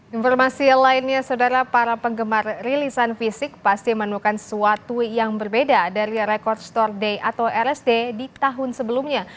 informasi lainnya saudara para penggemar rilisan fisik pasti menemukan suatu yang berbeda dari rekod store day atau rsd di tahun sebelumnya